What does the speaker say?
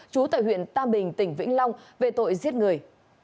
trú tại huyện tam bình tỉnh vĩnh long về tội giết người